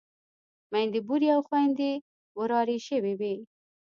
ميندې بورې او خويندې ورارې شوې وې.